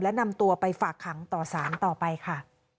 และนำตัวไปฝากขังต่อสารต่อไปค่ะ